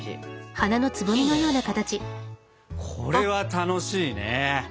これは楽しいね！